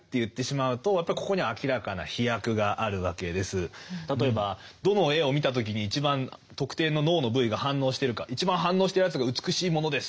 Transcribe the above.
だからこれ例えばどの絵を見た時に一番特定の脳の部位が反応してるか「一番反応したやつが美しいものです」